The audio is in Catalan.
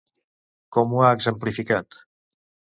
Com ho ha exemplificat?